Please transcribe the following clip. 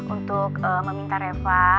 untuk meminta reva